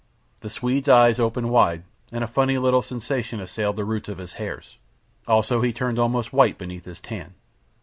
The Swede's eyes opened wide, and a funny little sensation assailed the roots of his hairs. Also he turned almost white beneath his tan.